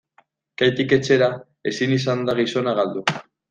Kaitik etxera ezin izan da gizona galdu.